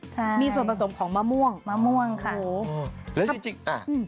ใช่มีส่วนผสมของมะม่วงมะม่วงค่ะโอ้โหแล้วจริงจริงอ่ะอืม